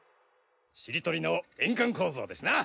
しりとりの円環構造ですな！